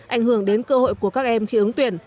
ảnh hưởng đến cơ hội của các em khi ứng tuyển